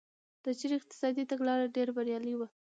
د چین اقتصادي تګلاره ډېره بریالۍ وه.